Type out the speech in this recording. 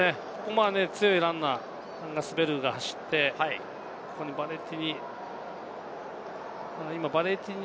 強いランナーが走って、ヴァレティニ。